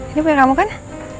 ini punya kamu kan